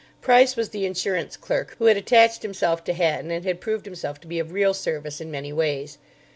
Price was the insurance clerk who had attached himself to Hatton and had proved himself to be of real service in many ways.